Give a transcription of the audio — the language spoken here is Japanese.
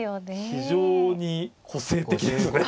非常に個性的ですね。